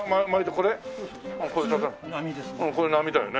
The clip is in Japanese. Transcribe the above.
これ並だよね？